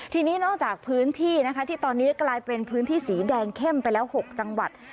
ทีนี้นอกจากพื้นที่นะคะที่ตอนนี้กลายเป็นพื้นที่สีแดงเข้มไปแล้ว๖จังหวัด